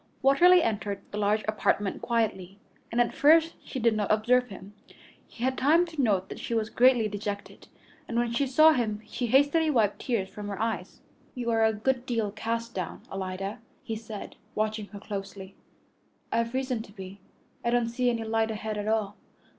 Watterly entered the large apartment quietly, and at first she did not observe him. He had time to note that she was greatly dejected, and when she saw him she hastily wiped tears from her eyes. "You are a good deal cast down, Alida," he said, watching her closely. "I've reason to be. I don't see any light ahead at all."